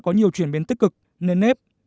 có nhiều chuyển biến tích cực nền nếp